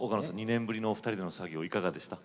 ２年ぶりのお二人での作業いかがでした？